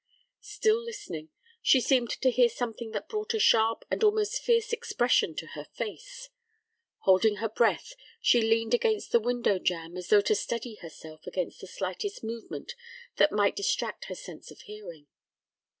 Still listening, she seemed to hear something that brought a sharp and almost fierce expression to her face. Holding her breath, she leaned against the window jamb as though to steady herself against the slightest movement that might distract her sense of hearing.